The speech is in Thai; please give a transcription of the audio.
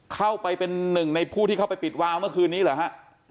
เข้าไปเป็นหนึ่งในผู้ที่เข้าไปปิดวาวเมื่อคืนนี้เหรอฮะ